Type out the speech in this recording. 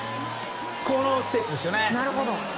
このステップです。